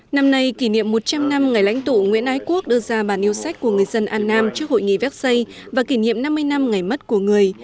năm nay kỷ niệm một trăm linh năm ngày lãnh tụ nguyễn ái quốc đưa ra bản yêu sách của người dân an nam trước hội nghị véc xây và kỷ niệm năm mươi năm ngày mất của người